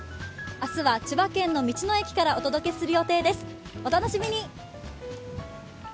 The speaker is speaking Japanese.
明日は千葉県の道の駅からお届けする予定です、お楽しみに。